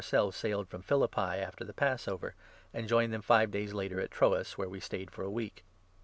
selves sailed from Philippi after the Passover, and joined them five days later at Troas, where we stayed for a week.